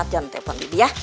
jangan telpon bibi ya